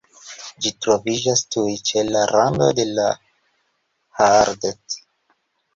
Ĝi troviĝas tuj ĉe la rando de la Haardt.